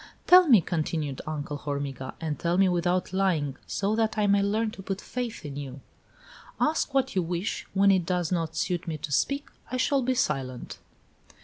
"Tell me," continued Uncle Hormiga, "and tell me without lying, so that I may learn to put faith in you " "Ask what you wish; when it does not suit me to speak I shall be silent."